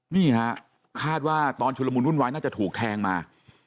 นี่ฮะคาดว่าตอนชุลมุนวุ่นวายน่าจะถูกแทงมา